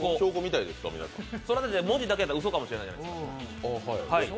文字だけだとうそかもしれないじゃないですか。